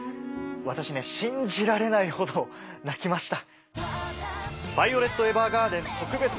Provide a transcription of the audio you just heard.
私ね信じられないほど泣きました。